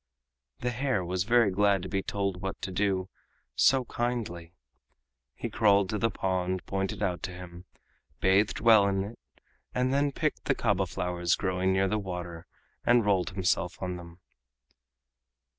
The hare was very glad to be told what to do, so kindly. He crawled to the pond pointed out to him, bathed well in it, and then picked the kaba flowers growing near the water, and rolled himself on them.